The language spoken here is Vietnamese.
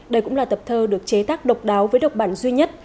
đây cũng là tập thơ được chế tác độc đáo với độc bản duy nhất